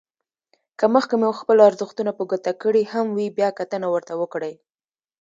که مخکې مو خپل ارزښتونه په ګوته کړي هم وي بيا کتنه ورته وکړئ.